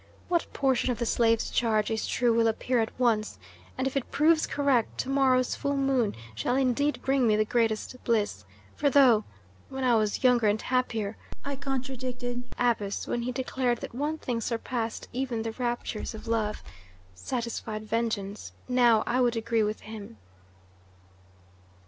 "What portion of the slave's charge is true will appear at once and if it proves correct, to morrow's full moon shall indeed bring me the greatest bliss; for though, when I was younger and happier, I contradicted Abus when he declared that one thing surpassed even the raptures of love satisfied vengeance now I would agree with him."